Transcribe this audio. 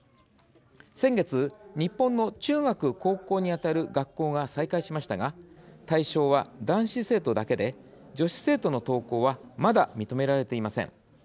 先月、日本の中学・高校にあたる学校が再開しましたが対象は男子生徒だけで女子生徒の登校はまだ認められていません。